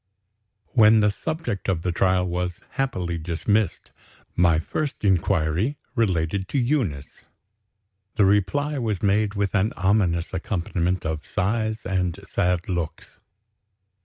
When the subject of the trial was happily dismissed, my first inquiry related to Eunice. The reply was made with an ominous accompaniment of sighs and sad looks.